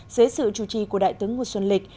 dưới sự chủ trì của đại tướng nguồn xuân lịch